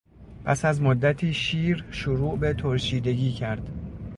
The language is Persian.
پس از مدتی شیر شروع به ترشیدگی کرد.